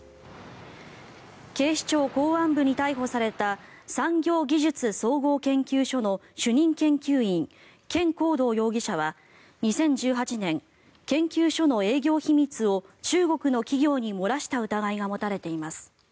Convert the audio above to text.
警視庁公安部に逮捕された産業技術総合研究所の主任研究員ケン・コウドウ容疑者は２０１８年研究所の営業秘密を中国の企業に漏らした疑いが持たれています。